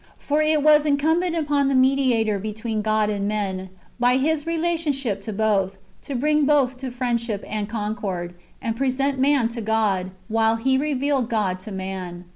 For it was incumbent upon the Mediator be tween God and men, by His relationship to both, to bring both to friendship and concord, and present man to God, while He revealed God to man.